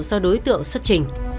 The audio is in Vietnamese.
do đối tượng xuất trình